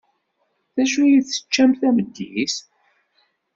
D acu ay teččam tameddit?